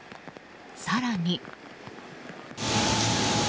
更に。